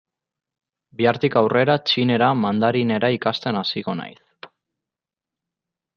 Bihartik aurrera txinera, mandarinera, ikasten hasiko naiz.